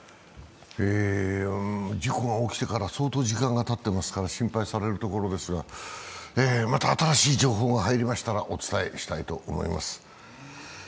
事故が起きてから相当時間がたってますから、心配なところですが、また新しい情報が入りましたらお伝えしたいと思います。